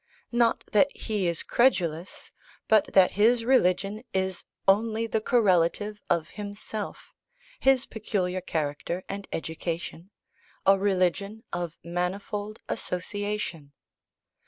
Not that he is credulous; but that his religion is only the correlative of himself, his peculiar character and education, a religion of manifold association.